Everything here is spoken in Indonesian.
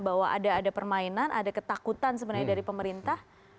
bahwa ada permainan ada ketakutan sebenarnya dari pemerintah